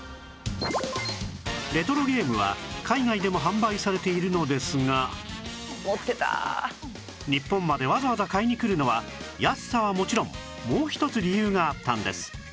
レトロゲームは海外でも販売されているのですが日本までわざわざ買いに来るのは安さはもちろんもう一つ理由があったんです